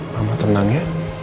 mama tenang ya